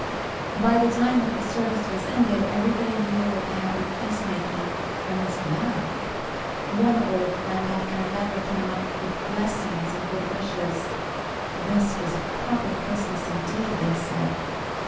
By the time that the service was ended everybody knew of the happy peacemaking, and was glad. One old friend after another came up with blessings and good wishes. This was a proper Christmas, indeed, they said.